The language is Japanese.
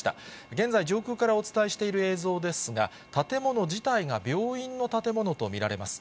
現在、上空からお伝えしている映像ですが、建物自体が病院の建物と見られます。